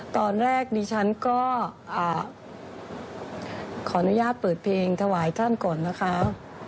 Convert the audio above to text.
ตอนแรกดิฉันก็ขออนุญาตเปิดเพลงถวายท่านก่อนนะคะ